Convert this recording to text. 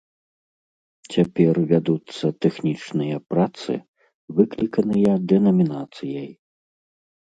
Цяпер вядуцца тэхнічныя працы, выкліканыя дэнамінацыяй.